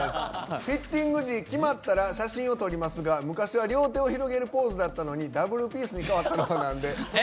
フィッティングのとき決まったら写真を撮りますが昔は両手を広げるポーズだったのにダブルピースに変わったのはなんで？